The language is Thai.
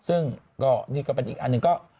ซึ่งก็นี่ก็เป็นอีกอันหนึ่งก็